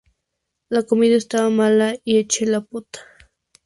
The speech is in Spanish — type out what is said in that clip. La comida estaba mala y eché la pota